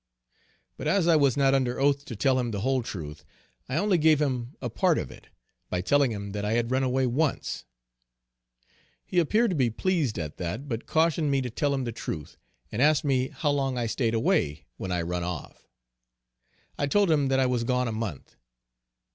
But as I was not under oath to tell him the whole truth, I only gave him a part of it, by telling him that I had run away once. He appeared to be pleased at that, but cautioned me to tell him the truth, and asked me how long I stayed away, when I run off? I told him that I was gone a month.